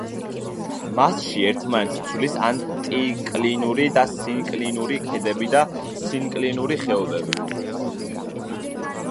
მასში ერთმანეთს ცვლის ანტიკლინური და სინკლინური ქედები და სინკლინური ხეობები.